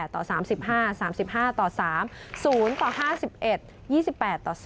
ต่อ๓๕๓๕ต่อ๓๐ต่อ๕๑๒๘ต่อ๐